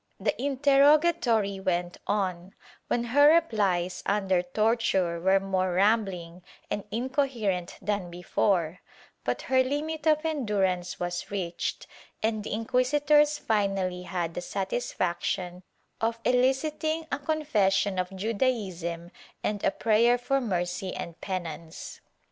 The interrogatory went on, when her replies under torture were more rambling and incoherent than before, but her limit of endurance was reached and the inquisitors finally had the satisfaction of eliciting a confession of Judaism and a prayer for mercy and penance.